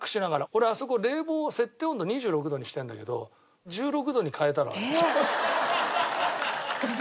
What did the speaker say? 俺あそこ冷房設定温度を２６度にしてあるんだけど１６度に変えたろうあれ。